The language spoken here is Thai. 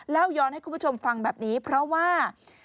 ย้อนให้คุณผู้ชมฟังแบบนี้เพราะว่า